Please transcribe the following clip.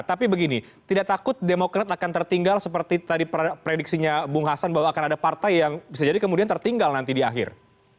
tapi begini tidak takut demokrat akan tertinggal seperti tadi prediksinya bung hasan bahwa akan ada partai yang bisa jadi kemudian tertinggal nanti di akhir